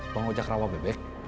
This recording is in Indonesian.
bang ojak rawa bebek